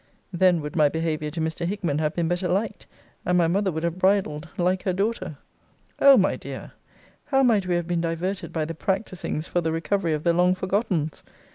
Then would my behaviour to Mr. Hickman have been better liked; and my mother would have bridled like her daughter. O my dear, how might we have been diverted by the practisings for the recovery of the long forgottens!